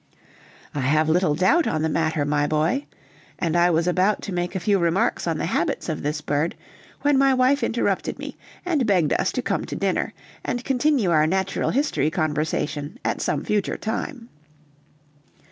"I have little doubt on the matter, my boy," and I was about to make a few remarks on the habits of this bird, when my wife interrupted me and begged us to come to dinner, and continue our natural history conversation at some future time.